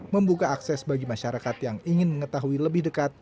membuka akses bagi masyarakat yang ingin mengetahui lebih dekat